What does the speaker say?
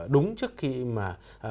đúng trước khi mà